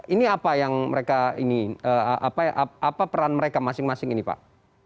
ini apa peran mereka masing masing ini pak